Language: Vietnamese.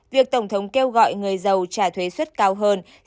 việc tổng thống kêu gọi người giàu trả thuế xuất khẩn cho người nghèo và tầng lớp trung lưu